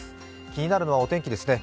気になるのはお天気ですね。